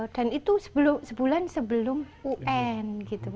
dan itu sebulan sebelum un